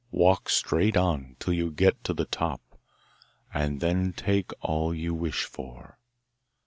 Walk straight on till you get to the top, and then take all you wish for.